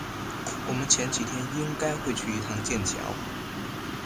我们前几天应该会去一趟剑桥